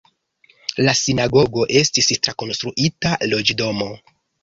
La sinagogo estis trakonstruita loĝdomo.